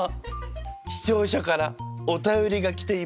視聴者からお便りが来ています。